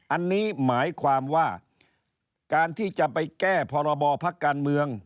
อันนี้หมายความว่าการที่จะไปแก้พรบพักการเมือง